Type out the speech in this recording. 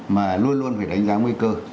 mà luôn luôn phải đánh giá nguy cơ